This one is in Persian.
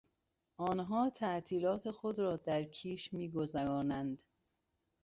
آنها تعطیلات خود را در کیش میگذرانند.